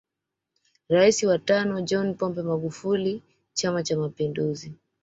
Rais wa tano John Pombe Magufuli chama cha mapinduzi